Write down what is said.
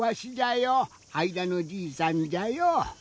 あいだのじいさんじゃよ。